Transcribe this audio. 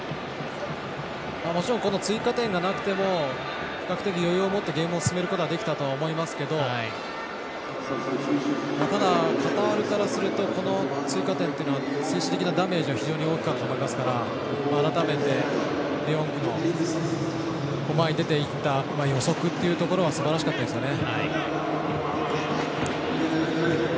もちろんこの追加点がなくても比較的、余裕を持ってゲームを進めることができたと思いますけどただ、カタールからするとこの追加点というのは精神的なダメージは非常に大きかったと思いますから改めてデヨングの前に出ていった予測というところはすばらしかったですよね。